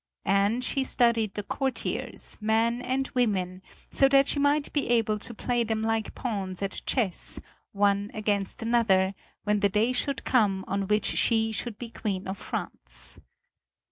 And she studied the courtiers, men and women, so that she might be able to play them like pawns at chess, one against another, when the day should come on which she should be Queen of France.